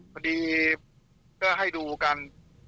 พอดีก็ให้ดูกัน